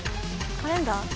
カレンダー？